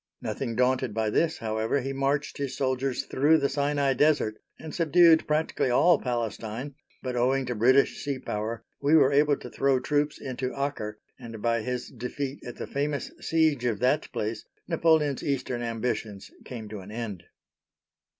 Nothing daunted by this, however, he marched his soldiers through the Sinai Desert and subdued practically all Palestine, but, owing to British sea power, we were able to throw troops into Acre, and by his defeat at the famous siege of that place, Napoleon's eastern ambitions came to an end.